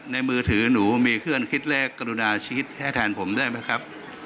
มือถือหนูมีเพื่อนคิดเลขกรุณาชีวิตให้แทนผมได้ไหมครับ